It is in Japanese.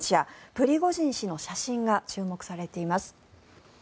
プリゴジン氏の写真が注目されています。